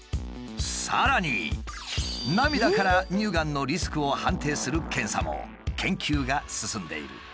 さらに涙から乳がんのリスクを判定する検査も研究が進んでいる。